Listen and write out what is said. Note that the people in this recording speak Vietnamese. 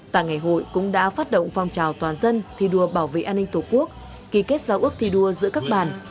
tạng ngày hội cũng đã phát động phòng trào toàn dân thi đua bảo vệ an ninh tổ quốc kỳ kết giáo ước thi đua giữa các bàn